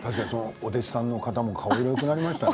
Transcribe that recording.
お弟子さんの方も顔色がよくなりましたね。